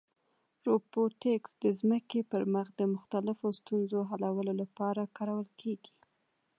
روبوټیکس د ځمکې پر مخ د مختلفو ستونزو حلولو لپاره کارول کېږي.